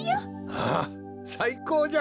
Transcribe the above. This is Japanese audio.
ああさいこうじゃ！